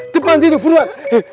depan di situ beruat